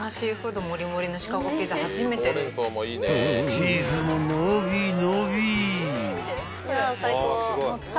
［チーズも伸び伸び！］